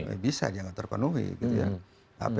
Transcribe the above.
ya bisa dianggap terpenuhi gitu ya